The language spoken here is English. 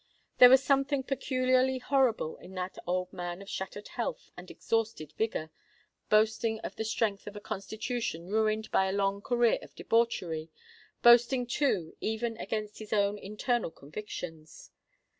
There was something peculiarly horrible in that old man of shattered health and exhausted vigour, boasting of the strength of a constitution ruined by a long career of debauchery,—boasting, too, even against his own internal convictions!